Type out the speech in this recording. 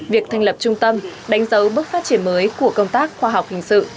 việc thành lập trung tâm đánh dấu bước phát triển mới của công tác khoa học hình sự